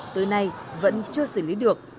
tới nay vẫn chưa xử lý được